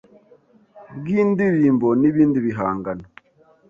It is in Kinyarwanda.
bw’indirimbo n’ibindi bihangano